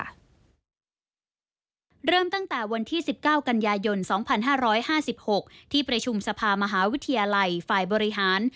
เริ่มตั้งแต่วันที่๑๙กันยายน๒๕๕๖ที่ประชุมสภามหาวิทยาลัยฝ่ายบริหาร